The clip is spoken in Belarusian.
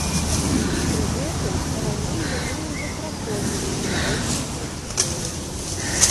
Пры гэтым, раней яны ўжо праходзілі падобную працэдуру.